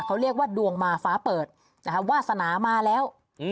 เขาเรียกว่าดวงมาฟ้าเปิดนะคะวาสนามาแล้ว